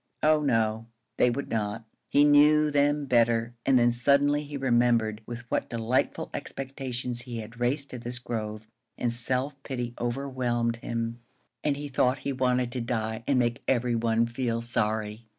Oh no, they would not! He knew them better. And then suddenly he remembered with what delightful expectations he had raced to this grove, and self pity overwhelmed him, and he thought he wanted to die and make every one feel sorry.